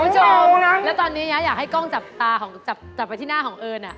ชอบแล้วตอนนี้นะอยากให้กล้องจับตาจับไปที่หน้าของเอิญน่ะ